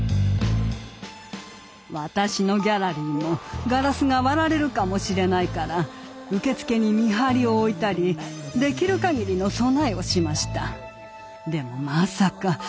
私のギャラリーもガラスが割られるかもしれないから受付に見張りを置いたりできるかぎりの備えをしました。